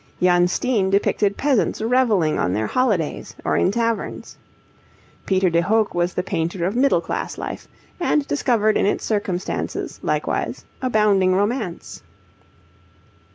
Jan Steen depicted peasants revelling on their holidays or in taverns. Peter de Hoogh was the painter of middle class life, and discovered in its circumstances, likewise, abounding romance.